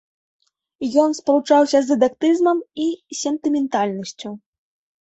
Ён спалучаўся з дыдактызмам і сентыментальнасцю.